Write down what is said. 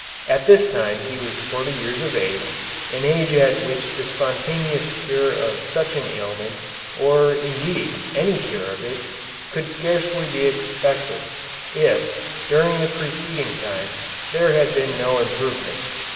At this time he was forty years of age, an age at which the spontaneous cure of such an ailment or, indeed, any cure of it, could scarcely be expected, if, during the preceding time, there had been no improvement.